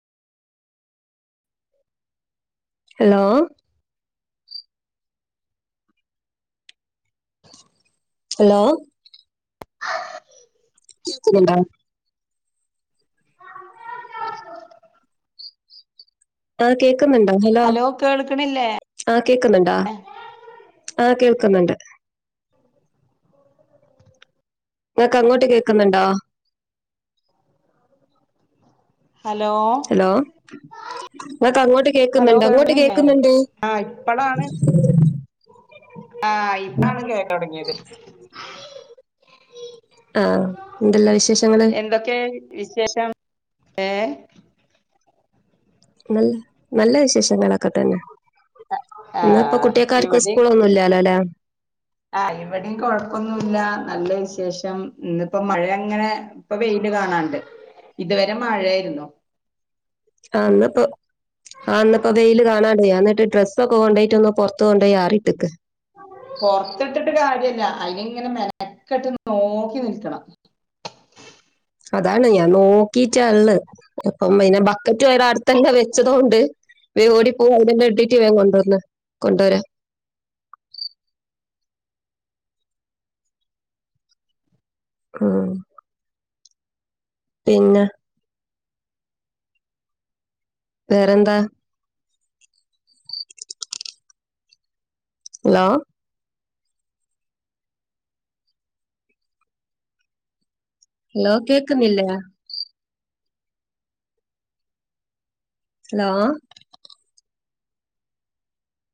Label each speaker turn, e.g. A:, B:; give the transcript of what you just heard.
A: hello hello
B: [inaudible]
A: കേൾക്കുന്നുണ്ടോ
B: വ [inaudible]
A: ആഹ് കേക്കുന്നുണ്ടോ ഹലോ ആഹ് കേക്കുന്നുണ്ടാ ആഹ് കേൾക്കുന്നുണ്ട് ങ്ങക്കങ്ങോട്ട് കേക്കുന്നുണ്ടോ
B: ഹലോ
A: ഹലോ ങ്ങക്കങ്ങോട്ട്
B: ഹലോ
A: കേക്കുന്നുണ്ടോ ഇങ്ങോട്ട്
B: കേൾക്കണില്ലേ
A: കേക്കുന്നുണ്ട്
B: ആഹ് ഇപ്പളാണ് ആഹ് ഇപ്പാണ് കേട്ടൊടങ്ങിയത്
A: ആഹ് എന്തല്ല വിശേഷങ്ങള്
B: ക്കെ വിശേഷം ഏഹ്
A: നല്ല നല്ല വിശേഷങ്ങളൊക്കെ തന്നെ ഇന്നപ്പോ
B: ആഹ്
A: കുട്ടിയാക്കാർക്കും സ്കൂളൊന്നുല്ലാലോ ല്ലെ
B: ആ ഇവിടെയും കുഴപ്പൊന്നുമല്ല നല്ല വിശേഷം ഇന്നിപ്പോ മഴ അങ്ങനെ ഇപ്പ വെയില് കാണാണ്ട് ഇതുവരെ മഴായിരുന്നു
A: ആഹ് ഇന്ന്പ്പൊ ആ ഇന്ന്പ്പോ വെയിയില് കാണാണ്ടേ എന്നിട്ട് ഡ്രസ്സ ഒക്ക കൊണ്ടോയി ഒന്ന് പുറത്ത് കൊണ്ട് പോയി ആറിയിട്ട്ക്ക്
B: പൊറത്തിട്ടിട്ട് കാര്യല്ല അയിനി ഇങ്ങനെ മെനക്കട്ട് നോക്കി നിൽക്കണം
A: അതാണ് ഞാൻ നോക്കീട്ട ഇള്ളേ ഇപ്പം അയ്ന് റ്റ അടുത്തല്ല വെച്ചതോണ്ട് വേ ഓടി പോക അതിന്റെ ഇടട്ട് വൻ കൊണ്ടുവന്ന കൊണ്ടുവ വരാ ആം പിന്നെ വേറെന്താ ഹലോ ഹലോ കേക്കുന്നില്ലേ ഹലോ